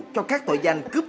cho các tội danh cướp sản